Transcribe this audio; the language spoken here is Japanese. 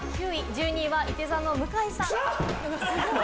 １２位はいて座の向井さん。